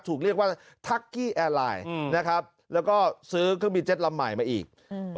ถูกเรียกว่านะครับแล้วก็ซื้อเครื่องบินเจ็ตลำใหม่มาอีกอืม